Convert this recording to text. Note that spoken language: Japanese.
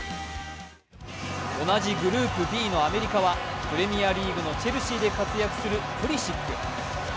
同じグループＢのアメリカはプレミアリーグのチェルシーで活躍するプリシック。